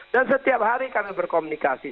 dan setiap hari kami berkomunikasi